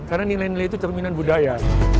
karena nilai nilai itu cerminan budaya